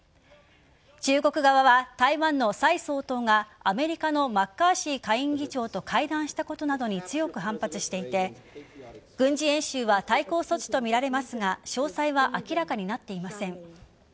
中国側は台湾の蔡総統がアメリカのマッカーシー下院議長と会談したことなどに強く反発していて軍事演習は対抗措置とみられますが詳細は明らかになっていません。